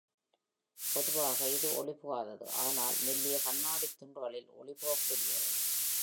பொதுவாக இது ஒளிபுகாதது, ஆனால் மெல்லிய கண்ணாடித்துண்டுகளில் ஒளி புகக்கூடியது.